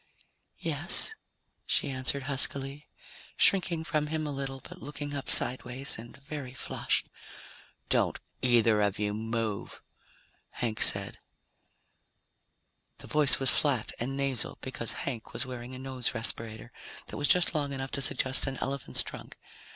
"Yes?" she answered huskily, shrinking from him a little, but looking up sideways, and very flushed. "Don't either of you move," Hank said. The voice was flat and nasal because Hank was wearing a nose respirator that was just long enough to suggest an elephant's trunk.